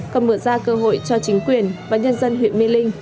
cầm mượn ra cơ hội cho chính quyền và nhân dân huyện mê linh